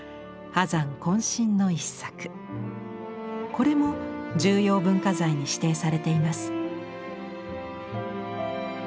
これも重要文化財に指定されています。